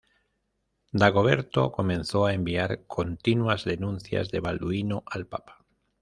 Dagoberto comenzó a enviar continuas denuncias de Balduino al papa.